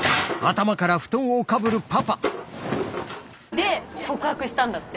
で告白したんだって。